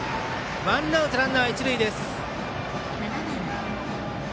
ワンアウト、ランナー、一塁です。